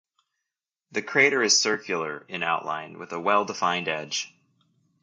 The crater is circular in outline, with a well-defined edge.